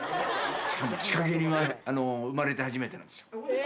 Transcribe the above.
しかも仕掛け人は、生まれて初めてなんですよ。